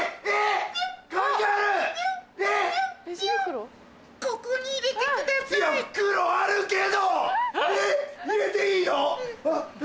えっ！